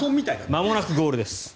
まもなくゴールです。